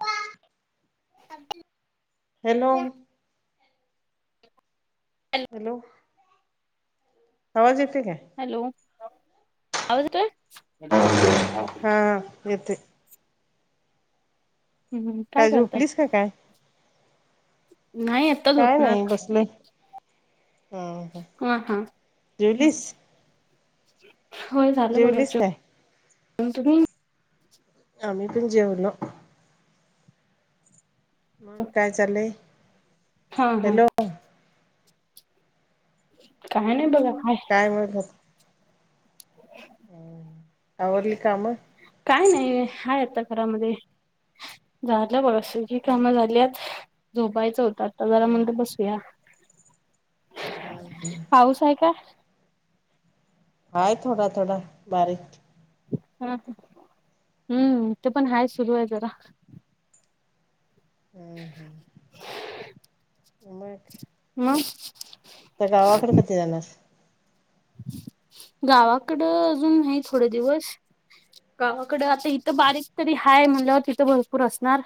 वा, [inaudible] hello, hello, आवाज येत काय. हॅलो, आवाज येतोय. [inaudible] हा येतोय हम हम, काय करताय. त काय. नाय येत. काय नाही बसलो हम्म हम्म, हा हा जेवलीस. होय झालं बघाच जेवलीस काय जेवण अन तुम्ही. आम्ही पण जेवलो. मग काय चाललंय. हा हा, हॅलो काय नाही बघा हाय. काय बघत. [inaudible] हम, आवारली काम. काय नाही आहे आता घरामध्ये झालं बघ असे. ही, काम झालीयात झोपायचं होत आता जरा हम्म म्हणत बसूया. हम्म पाऊस आहे काय. हाय थोडा थोडा बारीक. हा हम्म, ते पण हा सुरू आहे जरा. बर बर मग. ह [inaudible] त्या गावाकडे कधी जाणार. गावाकडं, अजून नाही थोडे दिवस. गावाकडे आता इथं बारीक तरी हाय म्हणल्यावर तिथं भरपूर असणार.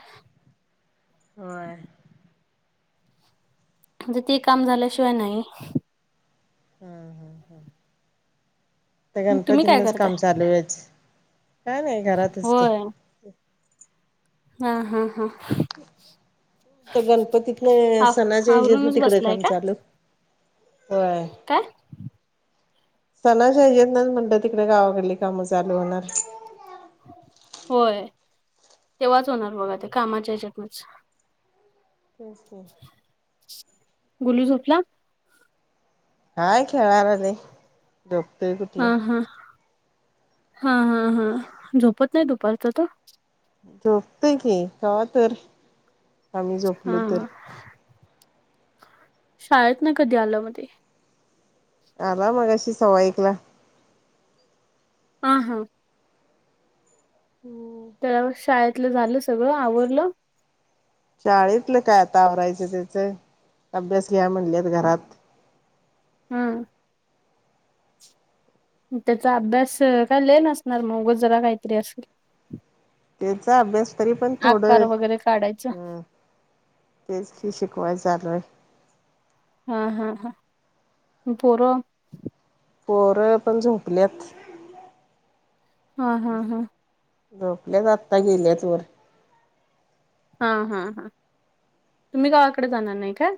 हो... म्हणजे ते काम झाल्याशिवाय नाही. हम् हम् हम्... तर तुम्ही काय गणपतींनाच करताय? काम चालू आहेच, काय नाही घरातच ते होय हा हा हा... गणपतीतन आव सणाच्या हजीतन आवरूनच तिकडे बसलाय काम का चालू. हो... काय... सणा ना म्हणत तिकडे गावाकडली कामं चालू होणार. होय तेव्हाच होणार बघा ते कामाच्या ह्यच्यातूनच. नम गुलू झोपला. काय खेळणार ते. प्र्येक हा हा हा हा हा झोपत नाही दुपारच तो. झोपते की का तर. आम्ही झोपलो तर हा, शाळेत ना कधी आलं ते. आला मगाशी सवा एकला. ह हां... हम्म... शाळेतलाझालं सगळं आवरल. शाळेतलं काय आता आवरायचं त्याच अभ्यास घ्या म्हणलेत घरात. हम्म... त्याचा अभ्यास काय झाला असणार मगच जरा काहीतरी असेल. त्याचा अभ्यास तरी पण थोड, आकार वगैरे काढायचं हम... तेचशिकवाय चाललय. हा हा हा पोरं. पोर पण झुपल्यात. हा हा हा... झोपल्या जातता गेल्याच वर. हा हा हा तुम्ही गावाकडे जाणार नाही का.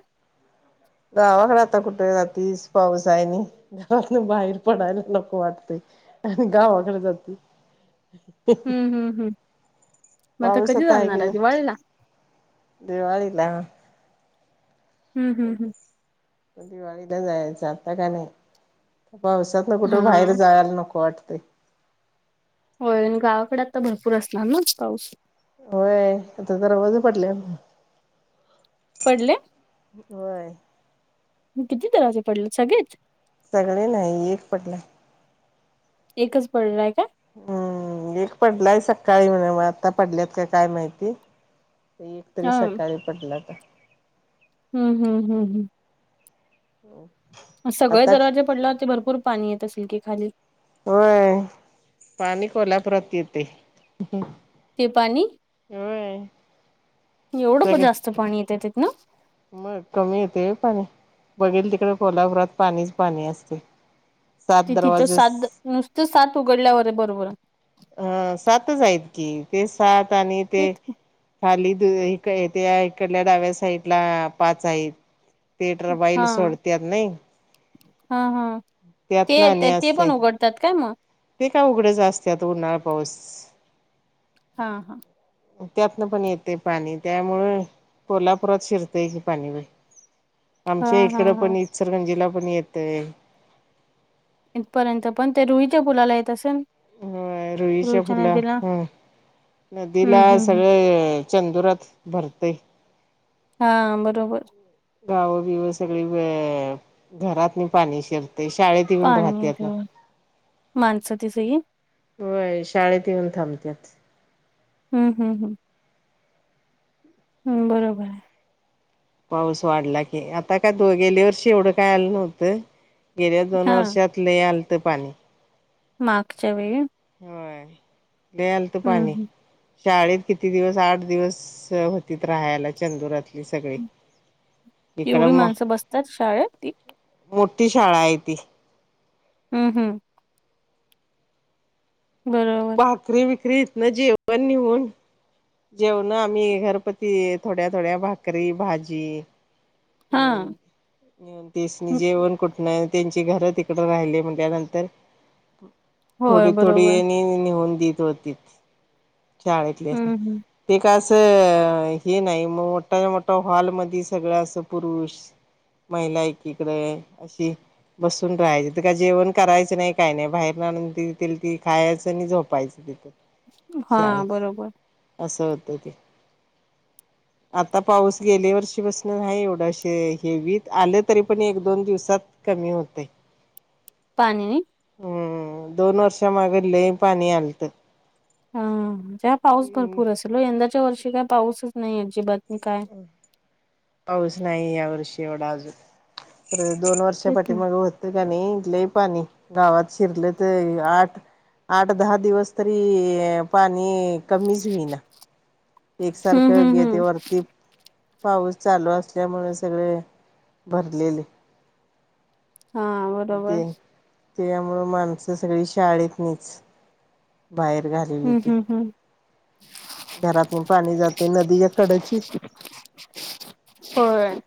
गावाकडे आता कुठे रात्री तीच पाऊस आहे आणि गावातन बाहेर पडायला लक वाटतय आणि गावाकडे जाती. हम्म हम्म हम्म मग पाऊस कधी आता आहे कि जाणार नाही. दिवाळीला दिवाळीला. हम् हम् हं... दिवाळीला जायचं आता का नाही पावसात. हम्म कुठं हा बाहेर जायला नको वाटते. होय गावाकडे आ तर भरपूर असणार ना पाऊस. होय आता दरवाजे पडलेत. पडले होय किती जणांचे पडले सगळेच. सगळे नाही एक पडलाय. एकच पडलाय का? हो, एक पडलाय सकाळी मग आता पडल्यात का काय माहिती. ते एक तरी हा सकाळी पडला आता. हम्म हम् हम् हम्. हो. मग सगळं दरवाजे पडल्यावरती भरपूर पाणी येत असेल की खाली. व्हय, पाणी कोल्हापुरात येते. हे पाणी, होय. एवढं प सगळे जास्त पाणी येते तिथन? मग कमी येते व्हय पाणी, बघेल तिकडं कोल्हापुरात पाणीच- पाणी असते. ती सात तिथं दरवाजे साद नुसत सात उघडल्यावर हे बरोबर. अं सातच आहेत की, ते सात आणि ते तेच की. खाली दे इक त्या इकडल्या डाव्या साईटला पाच आहेत. ते ट्रबाई ले सोडत्यात नय. हं-हं, ते आणि येत्यात ते असते पण उघडतात काय मग? ते काय उघडेच असत्यात, उन्हाळा- पाऊस. हा-हा. त्यातनं पण येते पाणी त्यामुळे कोल्हापुरात शिरतेय हे पाणी लय. हा आमच्या हा इकडं हा पण इत-सलंगीला पण येतय. इथ पर्यंत पण ते रुईच्या पुलाला येत असेन. व्हय रुईच्या पुला हं हम्म नदीला हम्म सगळे ऐ चंदुरात भरते. हा बरोबर. गावं-बिव सगळी वे घरातनी पाणी शिरते. शाळेत येऊन पाणी राहत्यात ना. येतंय माणसं ती सई व्हय शाळेत येऊन थांबत्यात. ह्म-ह्म-ह्म. हम्म बरोबर. पाऊस वाढला की, आता काय दो गेल्या वर्षी एवढं काय आलं नव्हतं. गेल्या दोन हां, वर्षात लय आलंत पाणी. मागच्या वेळी. व्हय, लई आलत हं, पाणी. हं. शाळेत किती दिवस, आठ दिवस होतीत राहायला, चंदुरातली सगळी. [inaudible] एवढी म माणसं बसतात शाळेत? मोठी शाळा आहे ती. ह्म हम्म. बरोबर. भाकरी-बिकरी इथनं जेवण निऊन जेवणं आम्ही घरपती थोड्या-थोड्या भाकरी, भाजी हां. निऊन तिसनी हं. जेवण कुठंन, त्यांची घर तिकडं राहिले म्हणल्यानंतर होय, बरोबर. थोडी-थोडी नेऊन-नेऊन देत होतीत शाळेतल्यास्नी. हं, हं. ते का असं हे नाही, मोठाय- मोठा हॉल मधी सगळं असं पुरुष महिला एकीकडे अशी. बसून राहायचं ते का जेवण करायचं नाही काय नाही, बाहेरन आणून ती दिल ती खायाचं आणि झोपायचं. दिकत हां, बरोबर. शाळेत असं होतय ते आता पाऊस गेले वर्षी पासन नाही एवढं कशे हेवीत आले तरी पण एक दोन दिवसात कमी होतंय पाणीनी हम्म दोन वर्षामाग लई पाणी आलतं ह ज्या पाऊस भरपूर असेल हो यंदाच्या वर्षी काय पाऊसच नाही अजिबातनी काय पाऊस नाही या वर्षी एवढा अजून तर दोन वर्षा तेच ना. पाठीमाग होत तर का नही लई पाणी गावात शिरलं तय आठ आठ दहा दिवस तरी, पाणी कमीच होईना केक हं, सारखे हं, गेट हं. वरती पाऊस चालू असल्यामुळे सगळे भरलेले हां, बरोबर. ते त्यामुळं माणसं सगळी शाळेत नाहीच बाहेर घालेली हं, ते हं, हं. घरात पाणी जाते नदीच्या कड्याची होय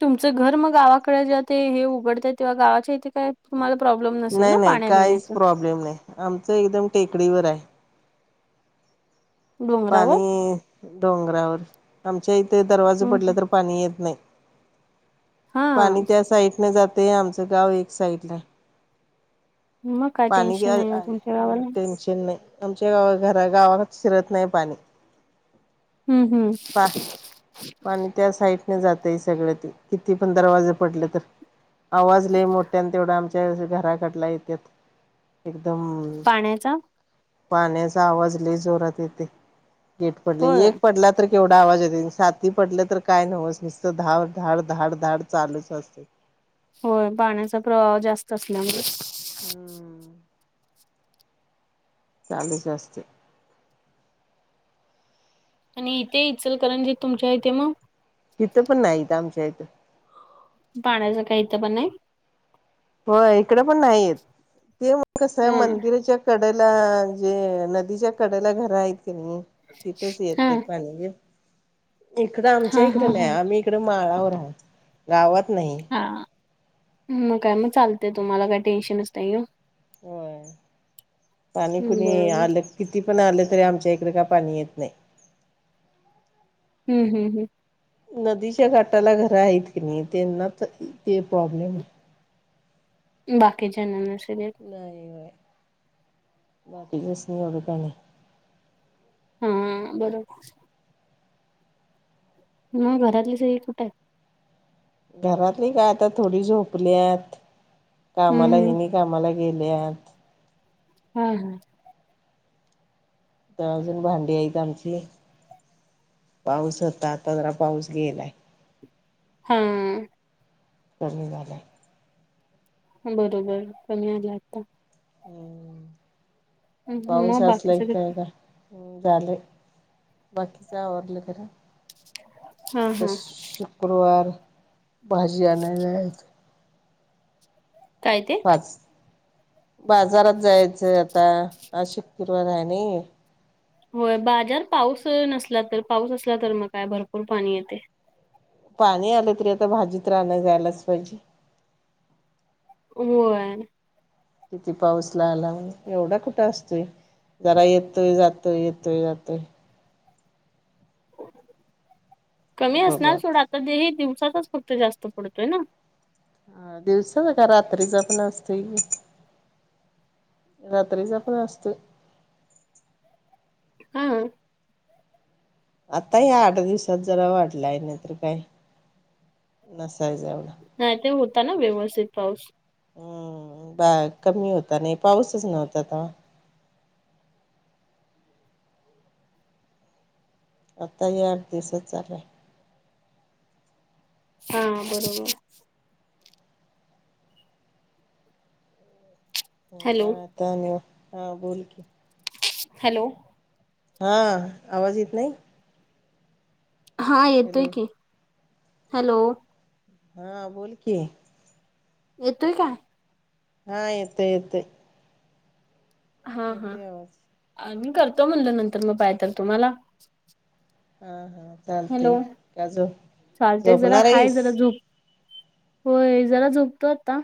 तुमचं घर मग गावाकडे जेव ते हे उघडत तेव्हा गावाच्या इथे काय तुम्हाला प्रॉब्लेम नसेल नाही ना नाही पाण्या काहीच भिण्याचं प्रॉब्लेम नाही आमचं एकदम टेकडीवर आहे डोंगरावर? पाणी डोंगरावर आमच्या इथे दरवाजा हं, पडला हं. तर पाणी येत नाही, हां. पाणी त्या साईड न जाते आमचं गाव एक साईडला मग काय पाणी टेन्शन नाही आहे तुमच्या गावाला टेन्शन नाही आमच्या गा घर गावात शिरत नाही पाणी हम्म हम्म आणि त्या साईडने जातय सगळ ते किती पण दरवाजे पडले तर आवाज लय मोठ्या, आणि तेवढा आमच्या घराकडला येत, एकदम पाण्याचा पाण्याचा आवाज लई जोरात येते, गेट पडले होय. एक पडला तर केवढा आवाज येते सााती पडल्या काय नव्हस नसत धाड धाड धाड धाड चालूच असते होय पाण्याचा प्रवाह जास्त असल्यामुळे हम्म चालूच असते आणि इथे इचलकरणची तुमच्या इथे मग तिथं पण नाहीत आमच्या इथं पाडयचं काही इथं पण नाही होय, इकडं पण नाहीेत, ते कसं आहे हम्म. मंदिराच्या कडेला जे नदीच्या कड्याला घर आहेत की नाही, तिथंच हा येते इकडे आमच्या हा आमच्या आईकडे हा नाही हा आम्ही इकडे माळावर गावात नाही हा मग काय मग, चालते तुम्हाला काय टेन्शनच नाही होय हम्म पाणी बरोबर आलं तर किती पण आलं तरी, आमच्या इकडे का पाणी येत नाही हम्म हम् हम् नदीच्या घाटाला घरं आहेत की नाही, त्यांना ते प्रॉब्लेम आहे बाकीच्यांना नसले येत होय होय, बाकी हा, बरोबर मग घरातली सगळी कुठं आहेत? घरातली का आता थोडी झोपल्यात. कामाला हम्म हम्म हेनी कामाला गेल्यात. हा हा. अजून भांडी आहेत आमची. पाऊस होता आता जरा पाऊस गेलाय. हा. कमी झालं आहे. बरोबर. कमी आला आता. हम. पाऊस मग बाकी असला की सगळं त्याला काय ह झाले. बाकीच आवरलं का नाही. हा त्यात हा शुक्रवार भाजी आणायला जायचं. काय ते? पाच. बाजारात जायचं आता शुक्रवार आहे नाही. होय. बाजार पाऊस नसला तर, पाऊस असला तर मग काय भरपूर पाणी येतय. पाणी आलं तरी आता भाजीतर आणाय जायलाच पाहिजे. होय. किती पाऊस लागला म्हण एवढा कुठं असतोय. जरा येतोय जातोय येतोय जातोय. कमी असणार सोडा. आता तेही दिवसातच फक्त जास्त पडतोय ना. हा दिवसाच का रात्रीचा पण असतोय की. रात्रीचा पण असतोय. हां. आता या आठ दिवसात जरा वाढलाय. नाही तर काय नसायच एवढा. नाही ते होता ना व्यवस्थित पाऊस. हम्म. बा कमी होता नाही. पाऊसच नव्हता तवा. आता ह्या आठ दिवसात चालू हाय. हा बरोबर. हॅलो हा आता आणि हा बोलकी. हॅलो. हा आवाज येत नाही? हा येतोय हॅलो की. हॅलो. हा बोल की. येतोय काय? हा येतोय येतोय. हा येतोय आवाज हा मी करतो म्हणलं. नंतर पाहिजे तर तुम्हाला. हा हा. हॅलो. चालतय का झो चालतय जरा झोपणार हाय. आहेस जरा झोप होय जरा झोपतो आता.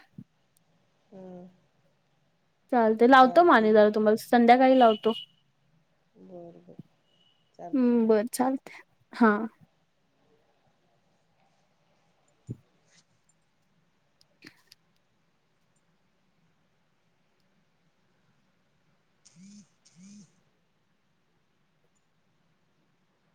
हम्म. चालतय लावतो. मग चालतय आणि जरा तुम्हाला संध्याकाळी लावतो. बर बर चालतय हम्म बरं चालतय हा. [unintelligible]